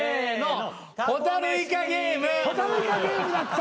「ホタルイカゲームだった」